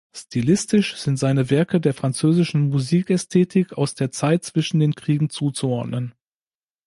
Stilistisch sind seine Werke der französischen Musikästhetik aus der Zeit zwischen den Kriegen zuzuordnen.